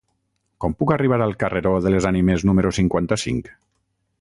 Com puc arribar al carreró de les Ànimes número cinquanta-cinc?